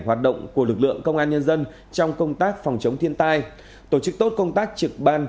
hoạt động của lực lượng công an nhân dân trong công tác phòng chống thiên tai tổ chức tốt công tác trực ban